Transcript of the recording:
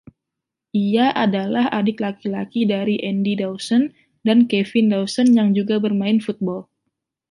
Ia adalah adik laki-laki dari Andy Dawson dan Kevin Dawson, yang juga bermain football.